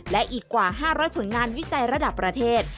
และอีกกว่า๕๐๐ผลงานวิจัยระดับประเทศ